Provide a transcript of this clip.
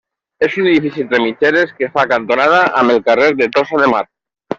És un edifici entre mitgeres que fa cantonada amb el carrer de Tossa de Mar.